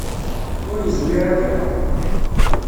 Ur yezmir ad iɣeṛ.